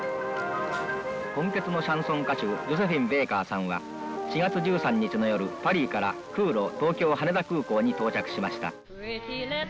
混血のシャンソン歌手ジョセフィン・ベーカーさんは４月１３日の夜パリから空路東京・羽田空港に到着しました。